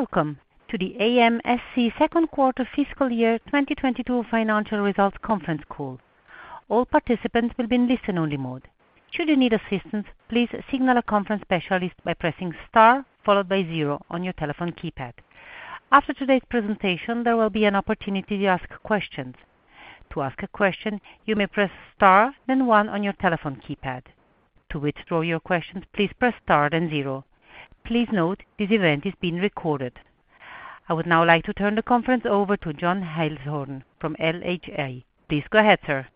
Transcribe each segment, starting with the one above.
Welcome to the AMSC second quarter fiscal year 2022 financial results conference call. All participants will be in listen only mode. Should you need assistance, please signal a conference specialist by pressing star followed by zero on your telephone keypad. After today's presentation, there will be an opportunity to ask questions. To ask a question, you may press star then one on your telephone keypad. To withdraw your question, please press star then zero. Please note this event is being recorded. I would now like to turn the conference over to John Heilshorn from LHA. Please go ahead, sir.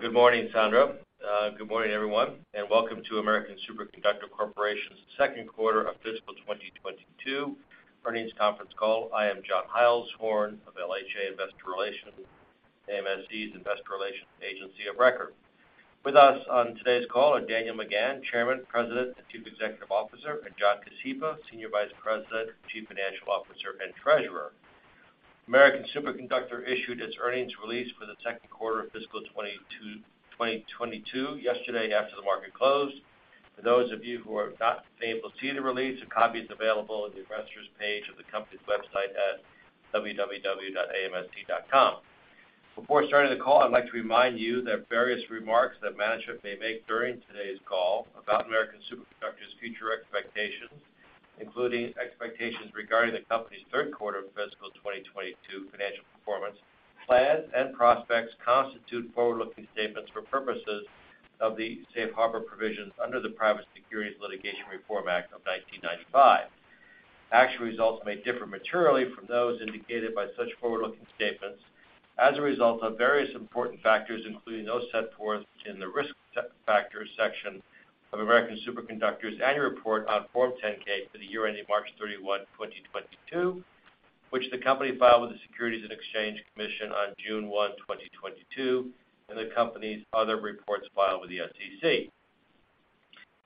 Good morning, Sandra. Good morning, everyone, and welcome to American Superconductor Corporation's second quarter of fiscal 2022 earnings conference call. I am John Heilshorn of LHA Investor Relations, AMSC's investor relations agency of record. With us on today's call are Daniel McGahn, Chairman, President, and Chief Executive Officer, and John Kosiba, Jr., Senior Vice President, Chief Financial Officer, and Treasurer. American Superconductor issued its earnings release for the second quarter of fiscal 2022 yesterday after the market closed. For those of you who have not been able to see the release, a copy is available on the Investors page of the company's website at www.amsc.com. Before starting the call, I'd like to remind you that various remarks that management may make during today's call about American Superconductor's future expectations, including expectations regarding the company's third quarter of fiscal 2022 financial performance, plans, and prospects constitute forward-looking statements for purposes of the safe harbor provisions under the Private Securities Litigation Reform Act of 1995. Actual results may differ materially from those indicated by such forward-looking statements as a result of various important factors, including those set forth in the Risk Factors section of American Superconductor's annual report on Form 10-K for the year ending March 31, 2022, which the company filed with the Securities and Exchange Commission on June 1, 2022, and the company's other reports filed with the SEC.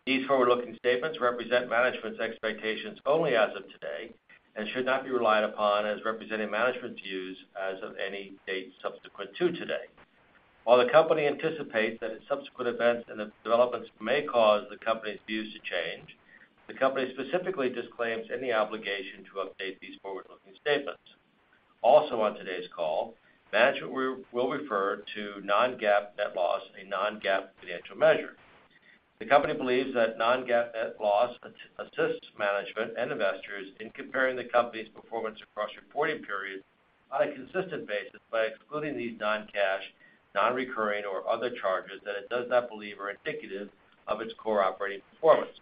These forward-looking statements represent management's expectations only as of today and should not be relied upon as representing management's views as of any date subsequent to today. While the company anticipates that subsequent events and the developments may cause the company's views to change, the company specifically disclaims any obligation to update these forward-looking statements. Also on today's call, management will refer to non-GAAP net loss, a non-GAAP financial measure. The company believes that non-GAAP net loss assists management and investors in comparing the company's performance across reporting periods on a consistent basis by excluding these non-cash, non-recurring or other charges that it does not believe are indicative of its core operating performance.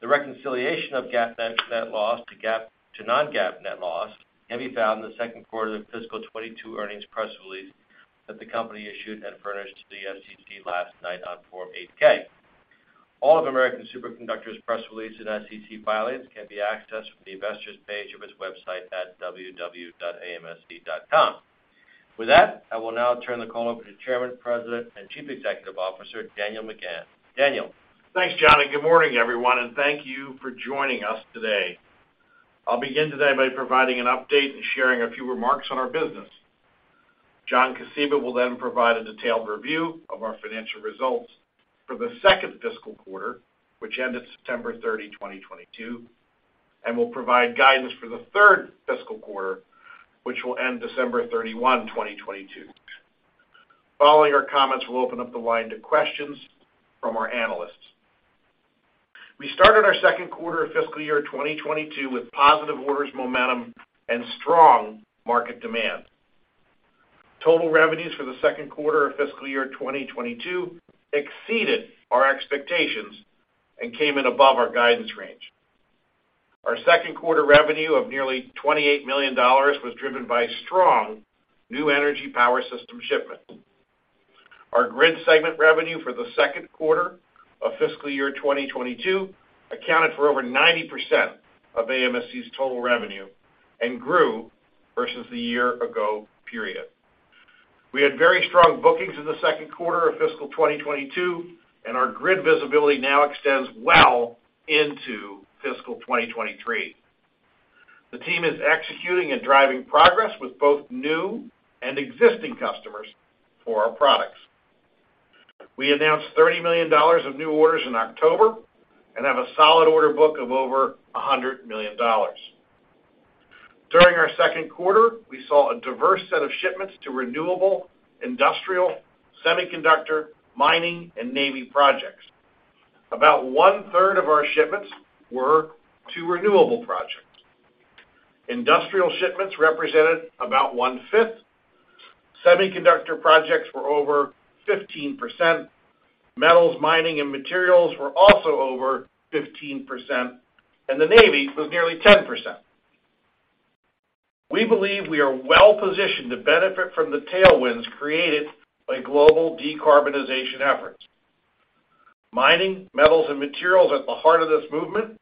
The reconciliation of GAAP net loss to non-GAAP net loss can be found in the second quarter of fiscal 2022 earnings press release that the company issued and furnished to the SEC last night on Form 8-K. All of American Superconductor's press releases and SEC filings can be accessed from the investors page of its website at www.amsc.com. With that, I will now turn the call over to Chairman, President, and Chief Executive Officer, Daniel McGahn. Daniel? Thanks, John, and good morning, everyone, and thank you for joining us today. I'll begin today by providing an update and sharing a few remarks on our business. John Kosiba will then provide a detailed review of our financial results for the second fiscal quarter, which ended September 30, 2022, and will provide guidance for the third fiscal quarter, which will end December 31, 2022. Following our comments, we'll open up the line to questions from our analysts. We started our second quarter of fiscal year 2022 with positive orders momentum and strong market demand. Total revenues for the second quarter of fiscal year 2022 exceeded our expectations and came in above our guidance range. Our second quarter revenue of nearly $28 million was driven by strong New Energy Power Systems shipments. Our grid segment revenue for the second quarter of fiscal year 2022 accounted for over 90% of AMSC's total revenue and grew versus the year ago period. We had very strong bookings in the second quarter of fiscal 2022, and our grid visibility now extends well into fiscal 2023. The team is executing and driving progress with both new and existing customers for our products. We announced $30 million of new orders in October and have a solid order book of over $100 million. During our second quarter, we saw a diverse set of shipments to renewable, industrial, semiconductor, mining, and Navy projects. About 1/3 of our shipments were to renewable projects. Industrial shipments represented about 1/5. Semiconductor projects were over 15%. Metals, mining, and materials were also over 15%, and the Navy was nearly 10%. We believe we are well positioned to benefit from the tailwinds created by global decarbonization efforts. Mining, metals, and materials are at the heart of this movement,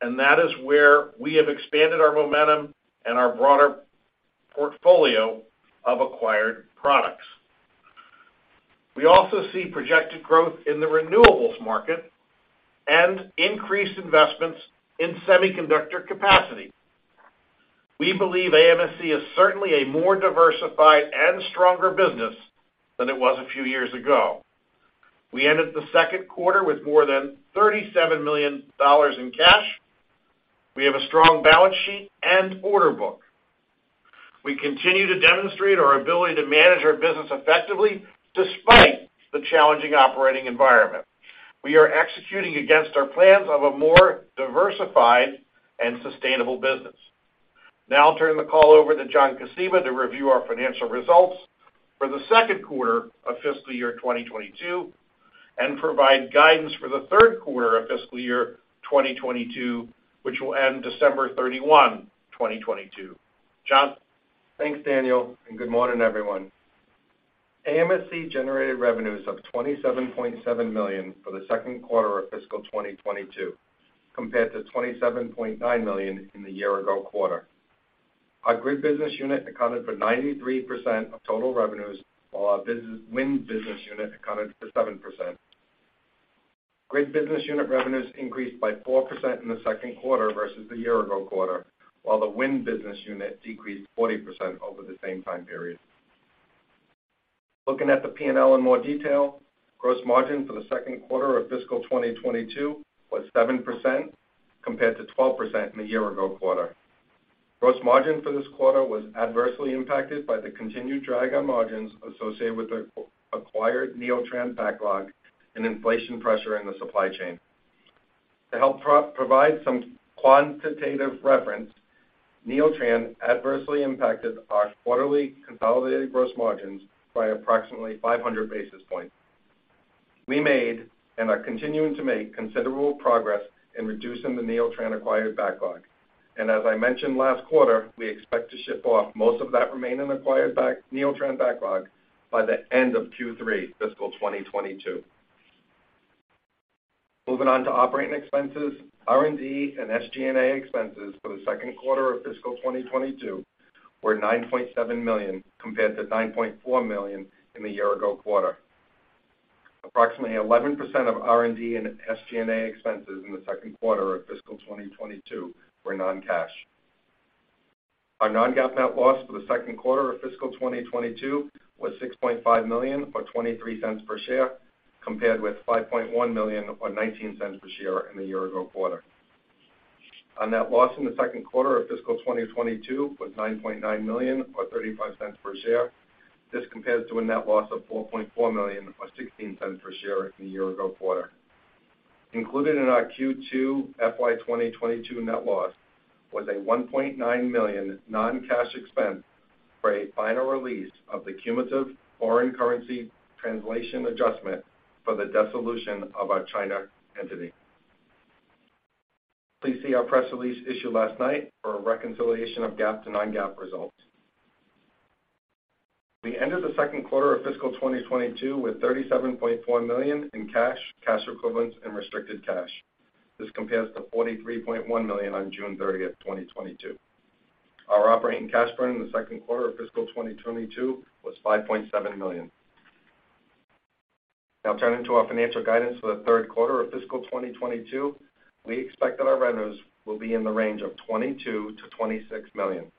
and that is where we have expanded our momentum and our broader portfolio of acquired products. We also see projected growth in the renewables market and increased investments in semiconductor capacity. We believe AMSC is certainly a more diversified and stronger business than it was a few years ago. We ended the second quarter with more than $37 million in cash. We have a strong balance sheet and order book. We continue to demonstrate our ability to manage our business effectively despite the challenging operating environment. We are executing against our plans of a more diversified and sustainable business. Now I'll turn the call over to John Kosiba to review our financial results for the second quarter of fiscal year 2022 and provide guidance for the third quarter of fiscal year 2022, which will end December 31, 2022. John? Thanks, Daniel, and good morning, everyone. AMSC generated revenues of $27.7 million for the second quarter of fiscal 2022 compared to $27.9 million in the year ago quarter. Our Grid business unit accounted for 93% of total revenues, while our Wind business unit accounted for 7%. Grid business unit revenues increased by 4% in the second quarter versus the year ago quarter, while the Wind business unit decreased 40% over the same time period. Looking at the P&L in more detail, gross margin for the second quarter of fiscal 2022 was 7% compared to 12% in the year ago quarter. Gross margin for this quarter was adversely impacted by the continued drag on margins associated with the acquired Neeltran backlog and inflation pressure in the supply chain. To help provide some quantitative reference, Neeltran adversely impacted our quarterly consolidated gross margins by approximately 500 basis points. We made, and are continuing to make, considerable progress in reducing the Neeltran acquired backlog. As I mentioned last quarter, we expect to ship off most of that remaining acquired Neeltran backlog by the end of Q3 fiscal 2022. Moving on to operating expenses, R&D and SG&A expenses for the second quarter of fiscal 2022 were $9.7 million compared to $9.4 million in the year ago quarter. Approximately 11% of R&D and SG&A expenses in the second quarter of fiscal 2022 were non-cash. Our non-GAAP net loss for the second quarter of fiscal 2022 was $6.5 million, or $0.23 per share, compared with $5.1 million or $0.19 per share in the year ago quarter. Our GAAP net loss in the second quarter of fiscal 2022 was $9.9 million or $0.35 per share. This compares to a net loss of $4.4 million or $0.16 per share in the year ago quarter. Included in our Q2 FY 2022 net loss was a $1.9 million non-cash expense for a final release of the cumulative foreign currency translation adjustment for the dissolution of our China entity. Please see our press release issued last night for a reconciliation of GAAP to non-GAAP results. We ended the second quarter of fiscal 2022 with $37.4 million in cash equivalents, and restricted cash. This compares to $43.1 million on June 30, 2022. Our operating cash burn in the second quarter of fiscal 2022 was $5.7 million. Now turning to our financial guidance for the third quarter of fiscal 2022. We expect that our revenues will be in the range of $22 million-$26 million.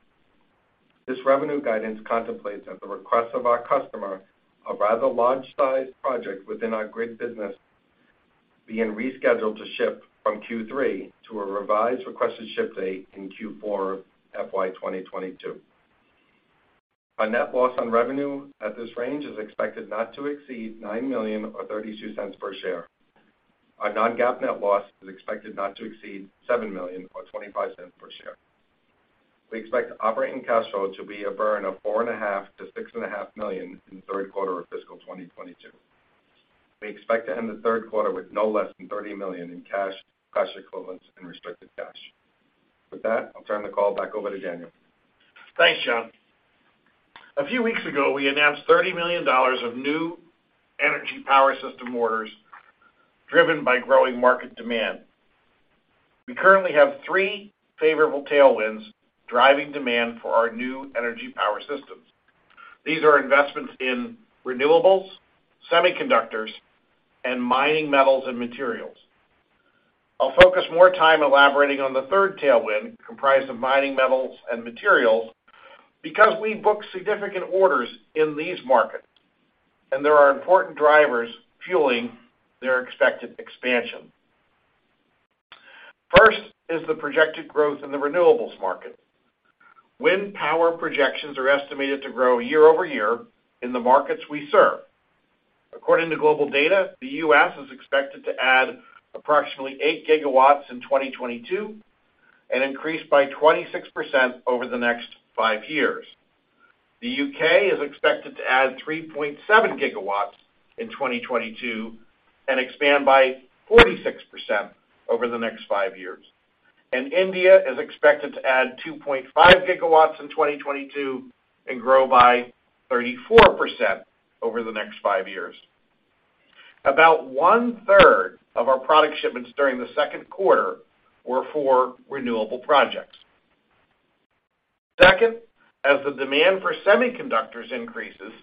This revenue guidance contemplates at the request of our customer, a rather large-sized project within our Grid business being rescheduled to ship from Q3 to a revised requested ship date in Q4 FY 2022. Our net loss on revenue at this range is expected not to exceed $9 million or $0.32 per share. Our non-GAAP net loss is expected not to exceed $7 million or $0.25 per share. We expect operating cash flow to be a burn of $4.5 million-$6.5 million in the third quarter of fiscal 2022. We expect to end the third quarter with no less than $30 million in cash equivalents, and restricted cash. With that, I'll turn the call back over to Daniel. Thanks, John. A few weeks ago, we announced $30 million of New Energy Power Systems orders driven by growing market demand. We currently have three favorable tailwinds driving demand for our New Energy Power Systems. These are investments in renewables, semiconductors, and mining metals and materials. I'll focus more time elaborating on the third tailwind, comprised of mining metals and materials, because we book significant orders in these markets, and there are important drivers fueling their expected expansion. First is the projected growth in the renewables market. Wind power projections are estimated to grow year-over-year in the markets we serve. According to GlobalData, the U.S. is expected to add approximately 8 GW in 2022 and increase by 26% over the next five years. The U.K. is expected to add 3.7 GW in 2022 and expand by 46% over the next five years. India is expected to add 2.5 GW in 2022 and grow by 34% over the next five years. About 1/3 of our product shipments during the second quarter were for renewable projects. Second, as the demand for semiconductors increases,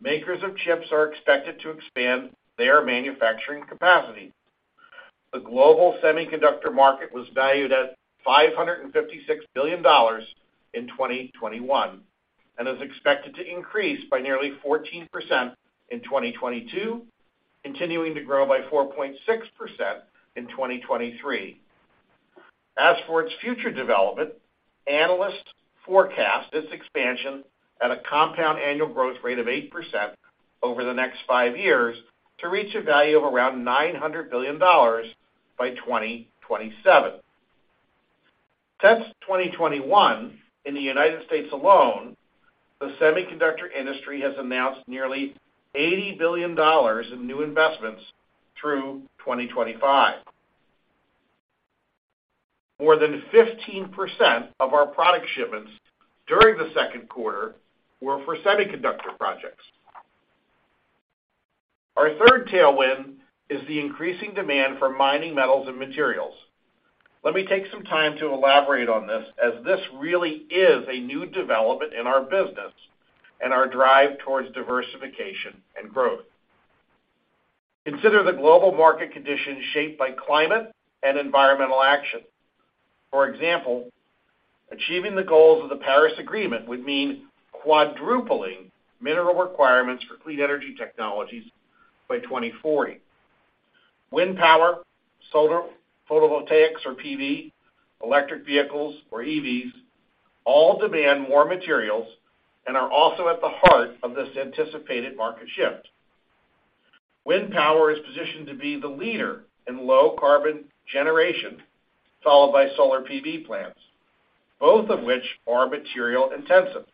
makers of chips are expected to expand their manufacturing capacity. The global semiconductor market was valued at $556 billion in 2021, and is expected to increase by nearly 14% in 2022, continuing to grow by 4.6% in 2023. As for its future development, analysts forecast its expansion at a compound annual growth rate of 8% over the next five years to reach a value of around $900 billion by 2027. Since 2021, in the United States alone, the semiconductor industry has announced nearly $80 billion in new investments through 2025. More than 15% of our product shipments during the second quarter were for semiconductor projects. Our third tailwind is the increasing demand for mining metals and materials. Let me take some time to elaborate on this, as this really is a new development in our business and our drive towards diversification and growth. Consider the global market conditions shaped by climate and environmental action. For example, achieving the goals of the Paris Agreement would mean quadrupling mineral requirements for clean energy technologies by 2040. Wind power, solar, photovoltaics or PV, electric vehicles or EVs, all demand more materials and are also at the heart of this anticipated market shift. Wind power is positioned to be the leader in low carbon generation, followed by solar PV plants, both of which are material intensive.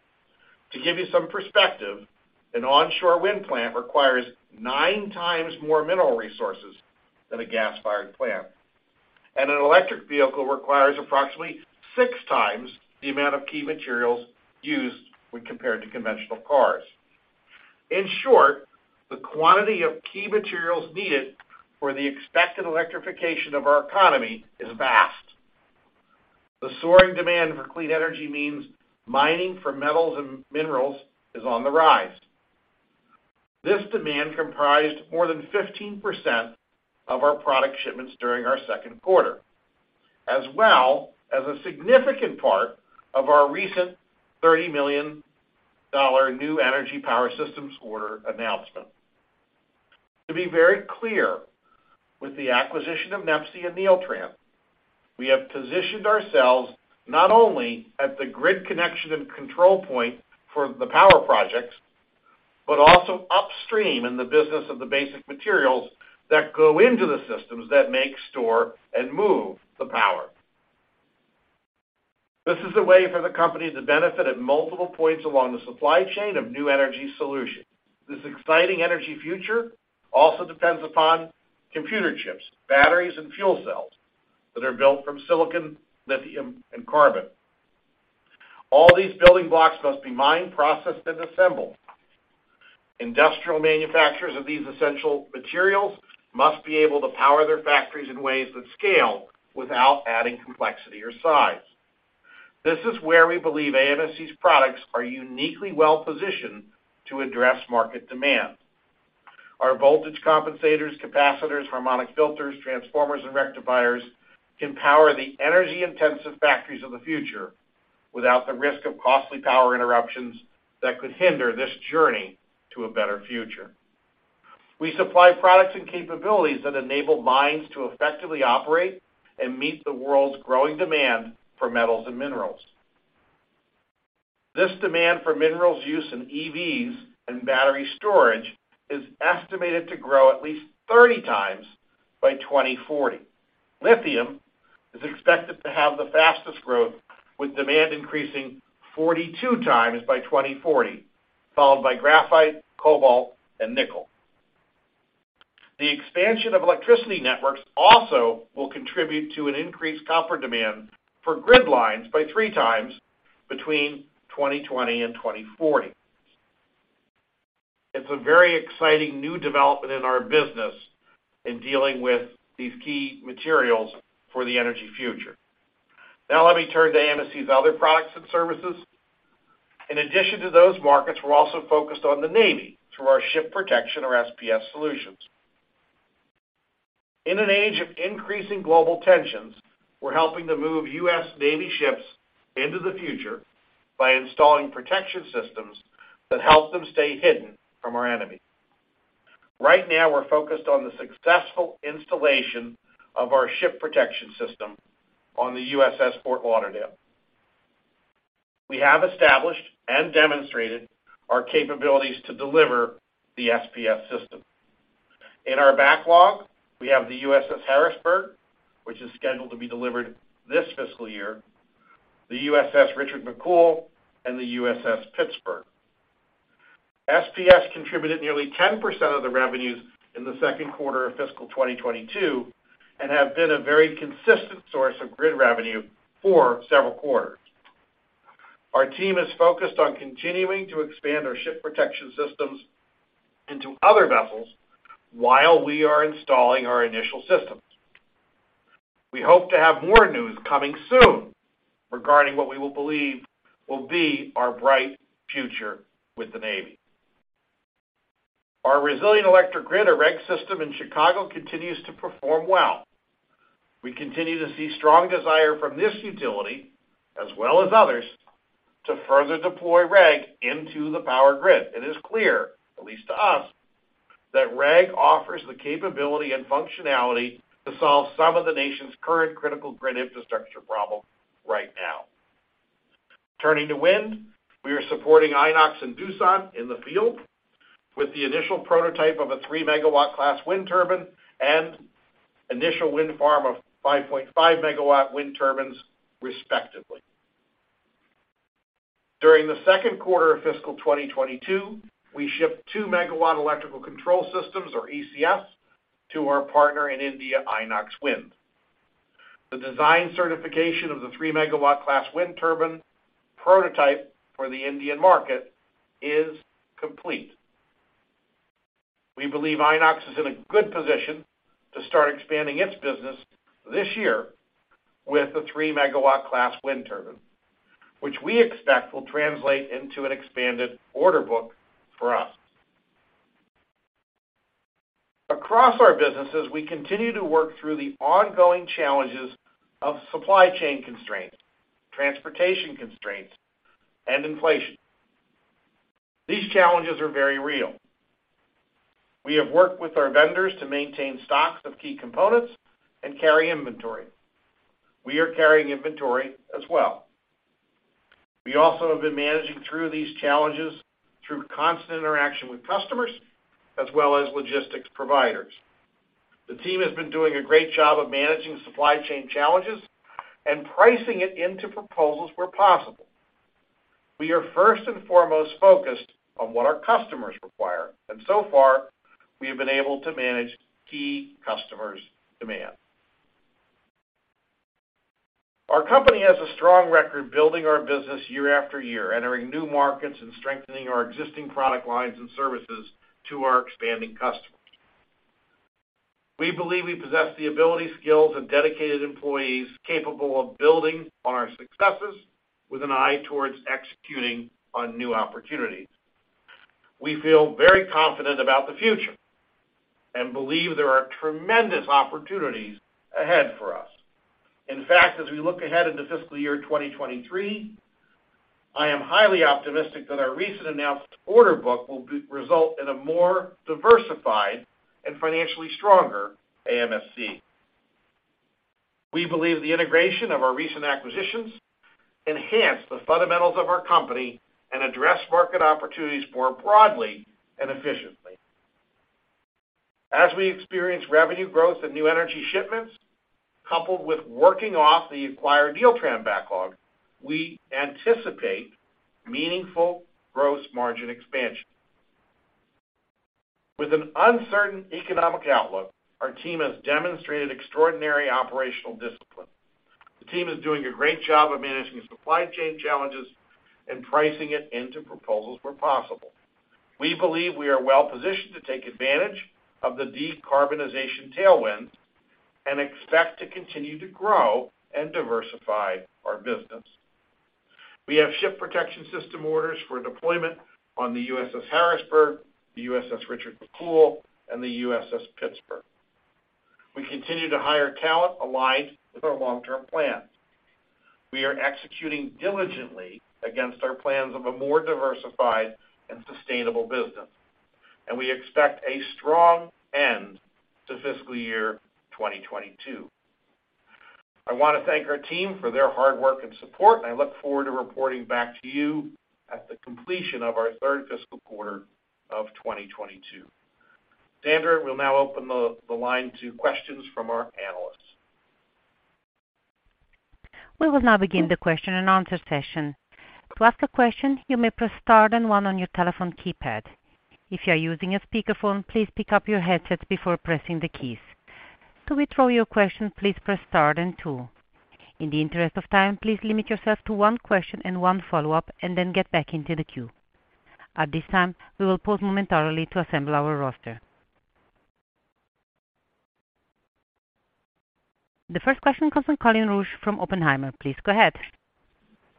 To give you some perspective, an onshore wind plant requires nine times more mineral resources than a gas-fired plant, and an electric vehicle requires approximately six times the amount of key materials used when compared to conventional cars. In short, the quantity of key materials needed for the expected electrification of our economy is vast. The soaring demand for clean energy means mining for metals and minerals is on the rise. This demand comprised more than 15% of our product shipments during our second quarter, as well as a significant part of our recent $30 million New Energy Power Systems order announcement. To be very clear, with the acquisition of NEPSI and Neeltran, we have positioned ourselves not only at the grid connection and control point for the power projects, but also upstream in the business of the basic materials that go into the systems that make, store, and move the power. This is a way for the company to benefit at multiple points along the supply chain of new energy solutions. This exciting energy future also depends upon computer chips, batteries, and fuel cells that are built from silicon, lithium, and carbon. All these building blocks must be mined, processed, and assembled. Industrial manufacturers of these essential materials must be able to power their factories in ways that scale without adding complexity or size. This is where we believe AMSC's products are uniquely well-positioned to address market demand. Our voltage compensators, capacitors, harmonic filters, transformers, and rectifiers can power the energy-intensive factories of the future without the risk of costly power interruptions that could hinder this journey to a better future. We supply products and capabilities that enable mines to effectively operate and meet the world's growing demand for metals and minerals. This demand for minerals used in EVs and battery storage is estimated to grow at least 30 times by 2040. Lithium is expected to have the fastest growth, with demand increasing 42 times by 2040, followed by graphite, cobalt, and nickel. The expansion of electricity networks also will contribute to an increased copper demand for grid lines by 3 times between 2020 and 2040. It's a very exciting new development in our business in dealing with these key materials for the energy future. Now let me turn to AMSC's other products and services. In addition to those markets, we're also focused on the Navy through our ship protection or SPS solutions. In an age of increasing global tensions, we're helping to move U.S. Navy ships into the future by installing protection systems that help them stay hidden from our enemy. Right now, we're focused on the successful installation of our ship protection system on the USS Fort Lauderdale. We have established and demonstrated our capabilities to deliver the SPS system. In our backlog, we have the USS Harrisburg, which is scheduled to be delivered this fiscal year, the USS Richard M. McCool Jr., and the USS Pittsburgh. SPS contributed nearly 10% of the revenues in the second quarter of fiscal 2022 and have been a very consistent source of grid revenue for several quarters. Our team is focused on continuing to expand our ship protection systems into other vessels while we are installing our initial systems. We hope to have more news coming soon regarding what we will believe will be our bright future with the Navy. Our Resilient Electric Grid or REG system in Chicago continues to perform well. We continue to see strong desire from this utility as well as others to further deploy REG into the power grid. It is clear, at least to us, that REG offers the capability and functionality to solve some of the nation's current critical grid infrastructure problem right now. Turning to Wind, we are supporting Inox and Doosan in the field with the initial prototype of a 3-MW class wind turbine and initial wind farm of 5.5-MW wind turbines, respectively. During the second quarter of fiscal 2022, we shipped 2-MW electrical control systems or ECS to our partner in India, Inox Wind. The design certification of the 3-MW class wind turbine prototype for the Indian market is complete. We believe Inox is in a good position to start expanding its business this year with the 3-MW class wind turbine, which we expect will translate into an expanded order book for us. Across our businesses, we continue to work through the ongoing challenges of supply chain constraints, transportation constraints, and inflation. These challenges are very real. We have worked with our vendors to maintain stocks of key components and carry inventory. We are carrying inventory as well. We also have been managing through these challenges through constant interaction with customers as well as logistics providers. The team has been doing a great job of managing supply chain challenges and pricing it into proposals where possible. We are first and foremost focused on what our customers require, and so far, we have been able to manage key customers' demand. Our company has a strong record building our business year after year, entering new markets, and strengthening our existing product lines and services to our expanding customers. We believe we possess the ability, skills, and dedicated employees capable of building on our successes with an eye towards executing on new opportunities. We feel very confident about the future and believe there are tremendous opportunities ahead for us. In fact, as we look ahead into fiscal year 2023, I am highly optimistic that our recent announced order book will result in a more diversified and financially stronger AMSC. We believe the integration of our recent acquisitions enhance the fundamentals of our company and address market opportunities more broadly and efficiently. As we experience revenue growth and new energy shipments, coupled with working off the acquired Neeltran backlog, we anticipate meaningful gross margin expansion. With an uncertain economic outlook, our team has demonstrated extraordinary operational discipline. The team is doing a great job of managing supply chain challenges and pricing it into proposals where possible. We believe we are well positioned to take advantage of the decarbonization tailwind and expect to continue to grow and diversify our business. We have ship protection system orders for deployment on the USS Harrisburg, the USS Richard M. McCool Jr., and the USS Pittsburgh. We continue to hire talent aligned with our long-term plans. We are executing diligently against our plans of a more diversified and sustainable business, and we expect a strong end to fiscal year 2022. I want to thank our team for their hard work and support, and I look forward to reporting back to you at the completion of our third fiscal quarter of 2022. Sandra will now open the line to questions from our analysts. We will now begin the question and answer session. To ask a question, you may press star then one on your telephone keypad. If you are using a speakerphone, please pick up your headsets before pressing the keys. To withdraw your question, please press star then two. In the interest of time, please limit yourself to one question and one follow-up and then get back into the queue. At this time, we will pause momentarily to assemble our roster. The first question comes from Colin Rusch from Oppenheimer. Please go ahead.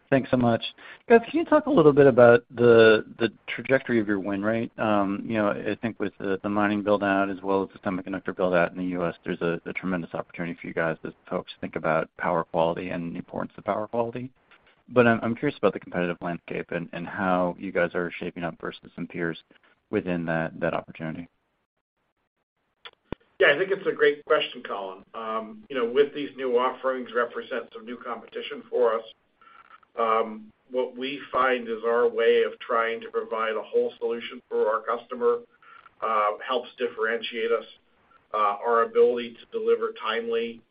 Thanks so much. Guys, can you talk a little bit about the trajectory of your win rate? You know, I think with the mining build-out as well as the semiconductor build-out in the U.S., there's a tremendous opportunity for you guys as folks think about power quality and the importance of power quality. I'm curious about the competitive landscape and how you guys are shaping up versus some peers within that opportunity. Yeah, I think it's a great question, Colin. You know, with these new offerings represent some new competition for us. What we find is our way of trying to provide a whole solution for our customer helps differentiate us. Our ability to deliver timely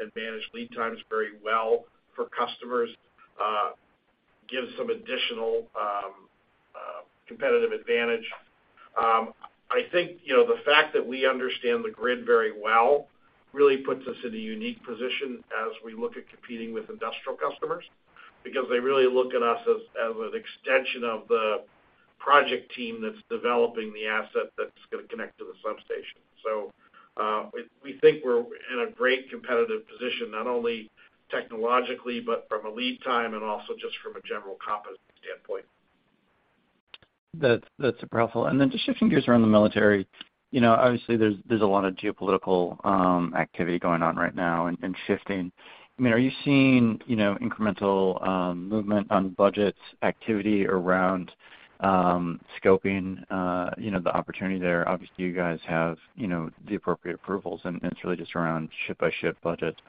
and manage lead times very well for customers gives some additional competitive advantage. I think, you know, the fact that we understand the grid very well really puts us in a unique position as we look at competing with industrial customers because they really look at us as an extension of the project team that's developing the asset that's gonna connect to the substation. We think we're in a great competitive position, not only technologically, but from a lead time and also just from a general competency standpoint. That's helpful. Just shifting gears around the military. You know, obviously there's a lot of geopolitical activity going on right now and shifting. I mean, are you seeing, you know, incremental movement on budgets, activity around scoping, you know, the opportunity there? Obviously, you guys have, you know, the appropriate approvals, and it's really just around ship by ship budgets.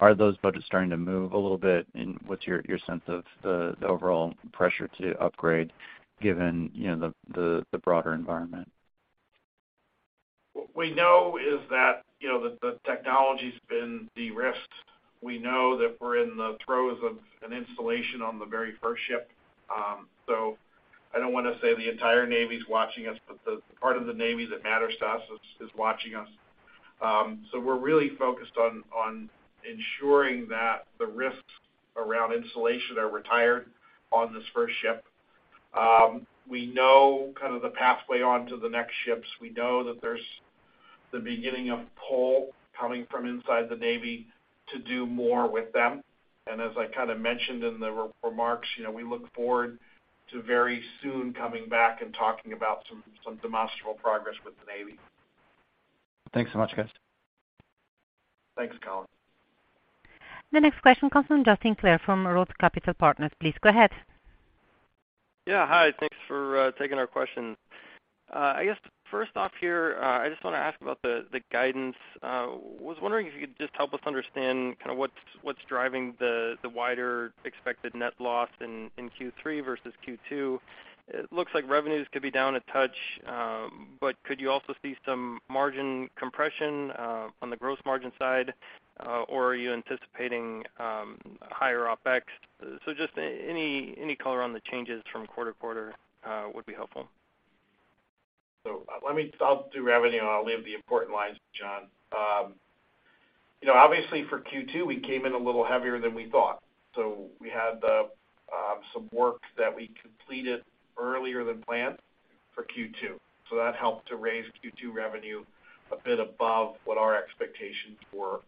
Are those budgets starting to move a little bit? What's your sense of the overall pressure to upgrade given, you know, the broader environment? What we know is that, you know, the technology's been de-risked. We know that we're in the throes of an installation on the very first ship. So I don't wanna say the entire Navy's watching us, but the part of the Navy that matters to us is watching us. So we're really focused on ensuring that the risks around installation are retired on this first ship. We know kind of the pathway onto the next ships. We know that there's the beginning of pull coming from inside the Navy to do more with them. As I kind of mentioned in the remarks, you know, we look forward to very soon coming back and talking about some demonstrable progress with the Navy. Thanks so much, guys. Thanks, Colin. The next question comes from Justin Clare from ROTH MKM. Please go ahead. Yeah, hi. Thanks for taking our question. I guess first off here, I just wanna ask about the guidance. Was wondering if you could just help us understand kind of what's driving the wider expected net loss in Q3 versus Q2. It looks like revenues could be down a touch, but could you also see some margin compression on the gross margin side? Or are you anticipating higher OpEx? Just any color on the changes from quarter to quarter would be helpful. I'll do revenue, and I'll leave the important lines to John. You know, obviously for Q2, we came in a little heavier than we thought. We had some work that we completed earlier than planned for Q2, so that helped to raise Q2 revenue a bit above what our expectations were.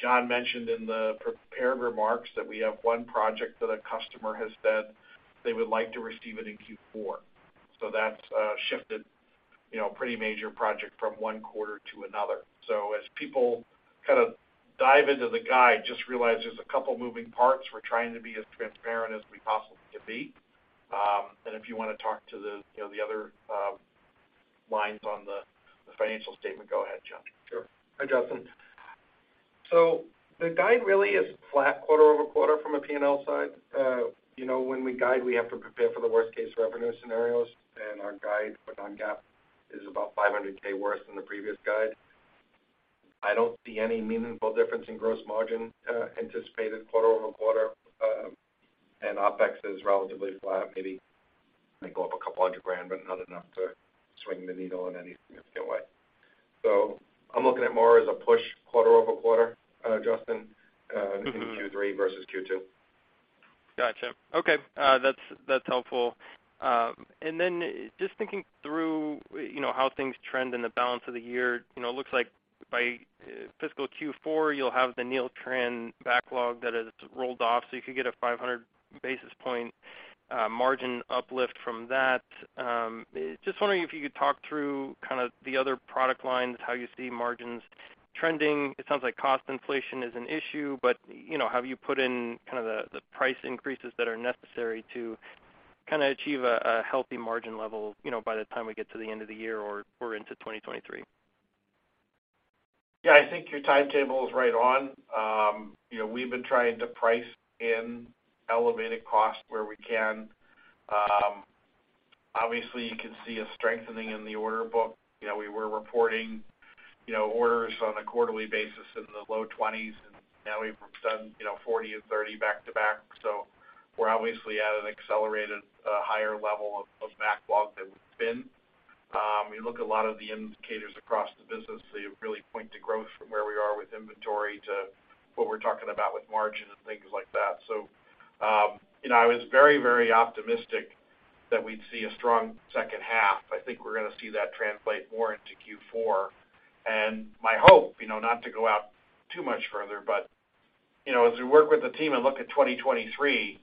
John mentioned in the prepared remarks that we have one project that a customer has said they would like to receive it in Q4. That's shifted, you know, a pretty major project from one quarter to another. As people kind of dive into the guide, just realize there's a couple moving parts. We're trying to be as transparent as we possibly can be. If you wanna talk to the, you know, the other lines on the financial statement, go ahead, John. Sure. Hi, Justin. The guide really is flat quarter-over-quarter from a P&L side. You know, when we guide, we have to prepare for the worst case revenue scenarios, and our guide for non-GAAP is about $500K worse than the previous guide. I don't see any meaningful difference in gross margin anticipated quarter-over-quarter. OpEx is relatively flat, may go up a couple hundred grand, but not enough to swing the needle in any significant way. I'm looking at more as a push quarter-over-quarter, Justin. Mm-hmm in Q3 versus Q2. Gotcha. Okay. That's helpful. And then just thinking through, you know, how things trend in the balance of the year. You know, it looks like by fiscal Q4, you'll have the Neeltran backlog that has rolled off, so you could get a 500 basis points margin uplift from that. Just wondering if you could talk through kind of the other product lines, how you see margins trending. It sounds like cost inflation is an issue, but, you know, have you put in kind of the price increases that are necessary to kinda achieve a healthy margin level, you know, by the time we get to the end of the year or into 2023? Yeah. I think your timetable is right on. You know, we've been trying to price in elevated costs where we can. Obviously, you can see a strengthening in the order book. You know, we were reporting, you know, orders on a quarterly basis in the low 20s, and now we've done, you know, 40 and 30 back to back. We're obviously at an accelerated higher level of backlog than we've been. We look at a lot of the indicators across the business, so you really point to growth from where we are with inventory to what we're talking about with margin and things like that. You know, I was very, very optimistic that we'd see a strong second half. I think we're gonna see that translate more into Q4. My hope, you know, not to go out too much further, but, you know, as we work with the team and look at 2023,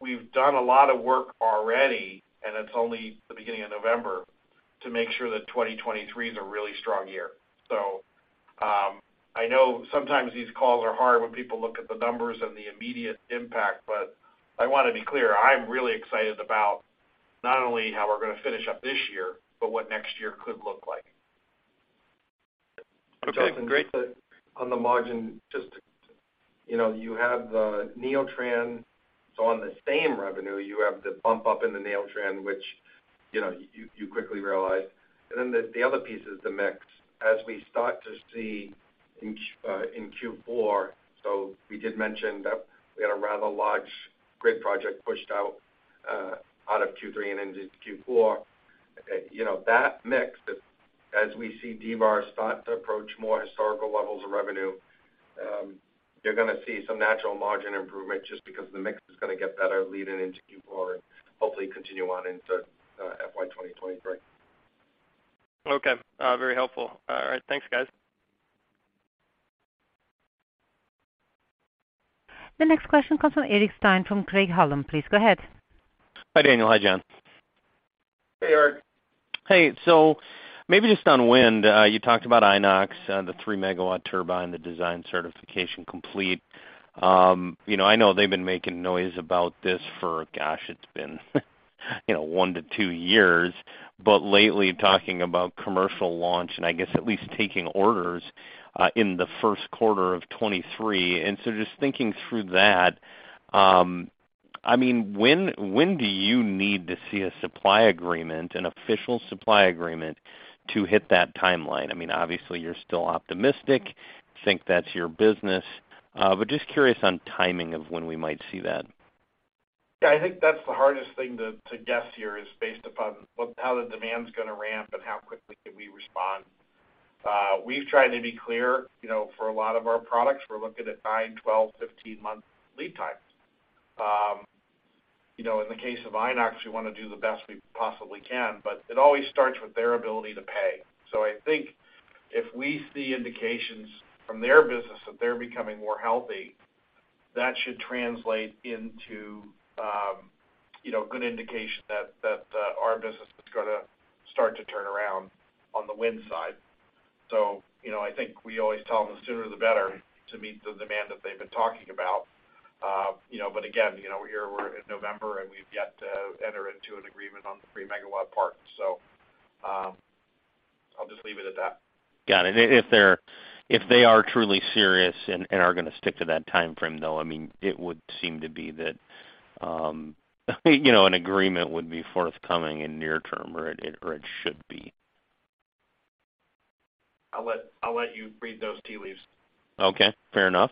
we've done a lot of work already, and it's only the beginning of November, to make sure that 2023 is a really strong year. I know sometimes these calls are hard when people look at the numbers and the immediate impact, but I wanna be clear, I'm really excited about not only how we're gonna finish up this year, but what next year could look like. Okay, great. Justin, just on the margin. You know, you have the Neeltran. On the same revenue, you have the bump up in the Neeltran, which, you know, you quickly realize. The other piece is the mix. As we start to see in Q4, we did mention that we had a rather large grid project pushed out of Q3 and into Q4. You know, that mix as we see D-VAR start to approach more historical levels of revenue. You're gonna see some natural margin improvement just because the mix is gonna get better leading into Q4 and hopefully continue on into FY 2023. Okay. Very helpful. All right. Thanks, guys. The next question comes from Eric Stine from Craig-Hallum. Please go ahead. Hi, Daniel. Hi, John. Hey, Eric. Hey. Maybe just on wind, you talked about Inox, the 3-MW turbine, the design certification complete. You know, I know they've been making noise about this for, gosh, it's been you know one to two years. But lately talking about commercial launch and I guess at least taking orders, in the first quarter of 2023. Just thinking through that, I mean, when do you need to see a supply agreement, an official supply agreement to hit that timeline? I mean, obviously you're still optimistic, think that's your business. But just curious on timing of when we might see that. Yeah, I think that's the hardest thing to guess here is based upon how the demand's gonna ramp and how quickly can we respond. We've tried to be clear, you know, for a lot of our products, we're looking at nine, 12, 15-month lead times. You know, in the case of Inox, we wanna do the best we possibly can, but it always starts with their ability to pay. I think if we see indications from their business that they're becoming more healthy, that should translate into, you know, a good indication that that our business is gonna start to turn around on the wind side. You know, I think we always tell them the sooner the better to meet the demand that they've been talking about. You know, but again, you know, we're in November, and we've yet to enter into an agreement on the 3-MW part. I'll just leave it at that. Got it. If they are truly serious and are gonna stick to that timeframe though, I mean, it would seem to be that, you know, an agreement would be forthcoming in near term or it should be. I'll let you read those tea leaves. Okay. Fair enough.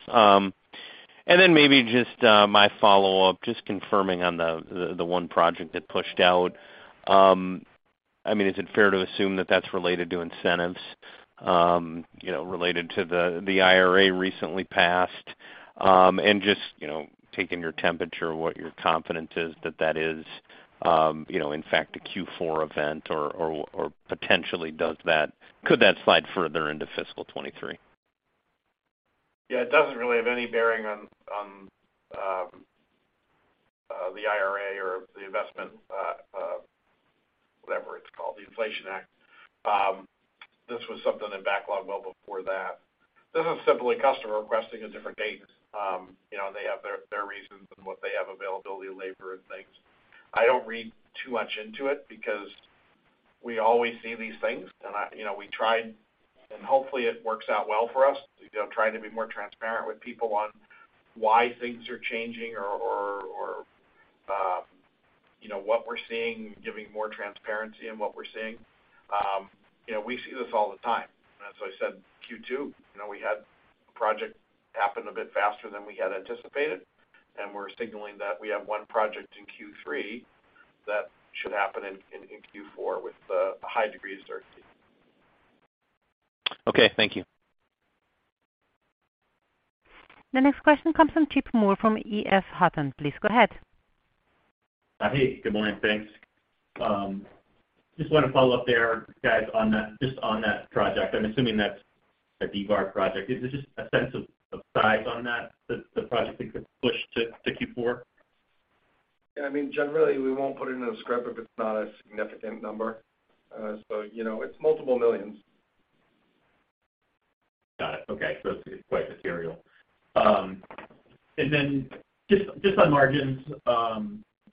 Maybe just my follow-up, just confirming on the one project that pushed out. I mean, is it fair to assume that that's related to incentives, you know, related to the IRA recently passed? Just, you know, taking your temperature, what your confidence is that that is, in fact a Q4 event or potentially could that slide further into fiscal 2023? Yeah, it doesn't really have any bearing on the IRA or the investment, whatever it's called, the Inflation Reduction Act. This was something in backlog well before that. This is simply a customer requesting a different date. You know, they have their reasons and what they have availability of labor and things. I don't read too much into it because we always see these things. You know, we tried, and hopefully it works out well for us. You know, trying to be more transparent with people on why things are changing or, you know, what we're seeing, giving more transparency in what we're seeing. You know, we see this all the time. As I said, Q2, you know, we had a project happen a bit faster than we had anticipated, and we're signaling that we have one project in Q3 that should happen in Q4 with a high degree of certainty. Okay, thank you. The next question comes from Chip Moore from EF Hutton. Please go ahead. Hey, good morning. Thanks. Just wanna follow up there, guys, on that project. I'm assuming that's a D-VAR project. Is there just a sense of size on that, the project that got pushed to Q4? Yeah. I mean, generally we won't put it in a script if it's not a significant number. You know, it's multiple millions. Got it. Okay. It's quite material. Then just on margins,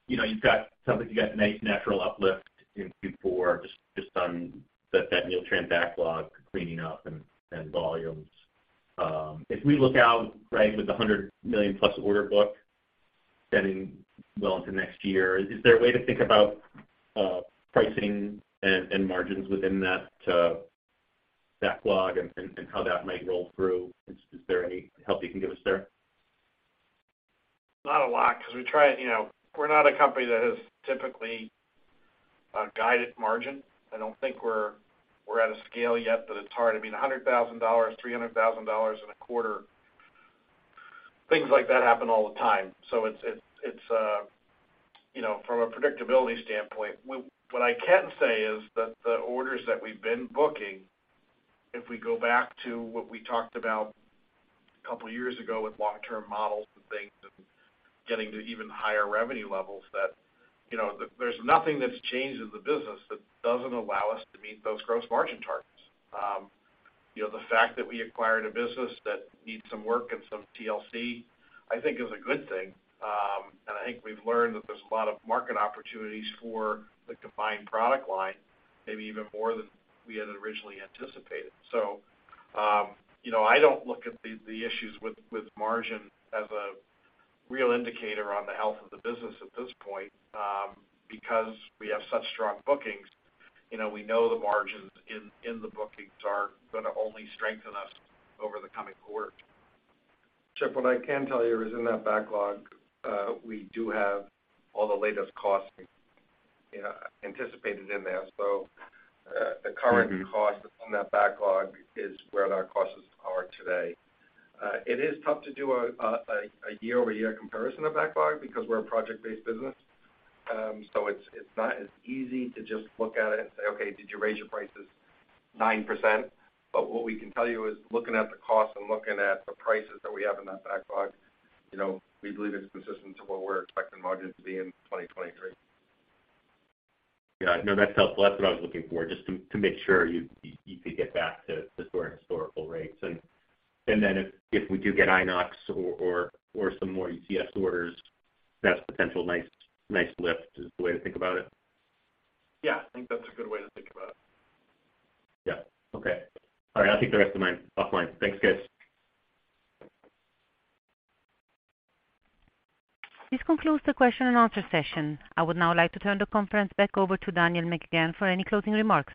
you know, you've got something, you've got nice natural uplift in Q4 just on the Neeltran backlog cleaning up and volumes. If we look out, right, with the $100 million plus order book extending well into next year, is there a way to think about pricing and margins within that backlog and how that might roll through? Is there any help you can give us there? Not a lot 'cause we try. You know, we're not a company that has typically guided margin. I don't think we're at a scale yet that it's hard. I mean, $100,000, $300,000 in a quarter, things like that happen all the time. It's you know, from a predictability standpoint. What I can say is that the orders that we've been booking, if we go back to what we talked about a couple of years ago with long-term models and things and getting to even higher revenue levels, you know, there's nothing that's changed in the business that doesn't allow us to meet those gross margin targets. You know, the fact that we acquired a business that needs some work and some TLC, I think is a good thing. I think we've learned that there's a lot of market opportunities for the combined product line, maybe even more than we had originally anticipated. You know, I don't look at the issues with margin as a real indicator of the health of the business at this point, because we have such strong bookings. You know, we know the margins in the bookings are gonna only strengthen us over the coming quarters. Chip, what I can tell you is in that backlog, we do have all the latest costs, yeah, anticipated in there. The current cost on that backlog is where our costs are today. It is tough to do a year-over-year comparison of backlog because we're a project-based business. It's not as easy to just look at it and say, "Okay, did you raise your prices 9%?" What we can tell you is looking at the cost and looking at the prices that we have in that backlog, you know, we believe it's consistent to what we're expecting margins to be in 2023. Yeah, no, that's helpful. That's what I was looking for, just to make sure you could get back to restoring historical rates. If we do get Inox or some more ECS orders, that's potentially nice lift, is the way to think about it. Yeah, I think that's a good way to think about it. Yeah. Okay. All right, I'll take the rest of mine offline. Thanks, guys. This concludes the question and answer session. I would now like to turn the conference back over to Daniel McGahn for any closing remarks.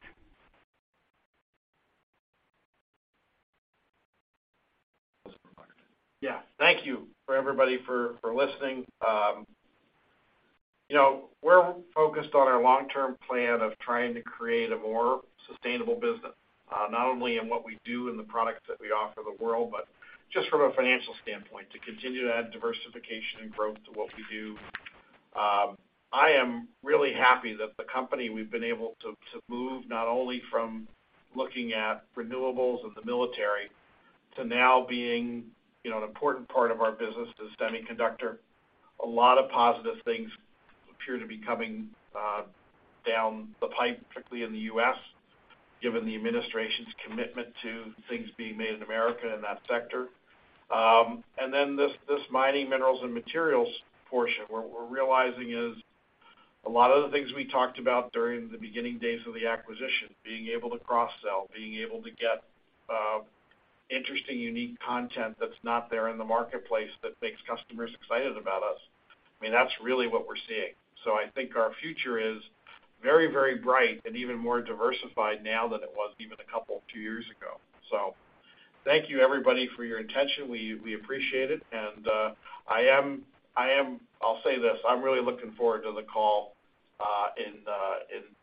Yeah. Thank you for everybody for listening. You know, we're focused on our long-term plan of trying to create a more sustainable business, not only in what we do and the products that we offer the world, but just from a financial standpoint, to continue to add diversification and growth to what we do. I am really happy that the company we've been able to move not only from looking at renewables of the military to now being, you know, an important part of our business is semiconductor. A lot of positive things appear to be coming down the pipe, particularly in the U.S., given the administration's commitment to things being made in America in that sector. This mining minerals and materials portion, what we're realizing is a lot of the things we talked about during the beginning days of the acquisition, being able to cross-sell, being able to get interesting, unique content that's not there in the marketplace that makes customers excited about us, I mean, that's really what we're seeing. I think our future is very, very bright and even more diversified now than it was even a couple of two years ago. Thank you everybody for your attention. We appreciate it. I am. I'll say this, I'm really looking forward to the call in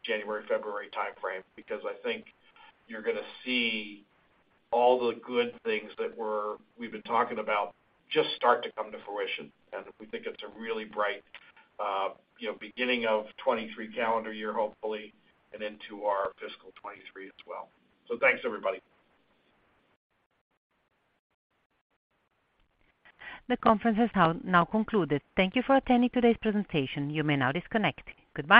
January, February timeframe because I think you're gonna see all the good things that we've been talking about just start to come to fruition, and we think it's a really bright, you know, beginning of 2023 calendar year, hopefully, and into our fiscal 2023 as well. Thanks everybody. The conference has now concluded. Thank you for attending today's presentation. You may now disconnect. Goodbye.